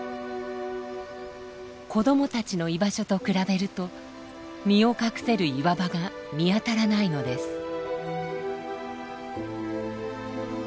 子どもたちの居場所と比べると身を隠せる岩場が見当たらないのです。